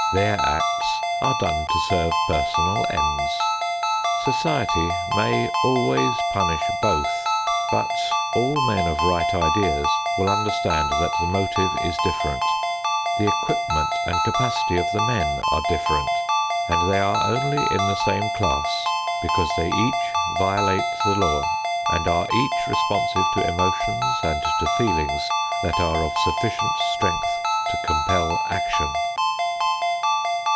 Their acts are done to serve personal ends. Society may always punish both, but all men of right ideas will understand that the motive is different, the equipment and capacity of the men are different, and they are only in the same class because they each violate the law and are each responsive to emotions and to feelings that are of sufficient strength to compel action.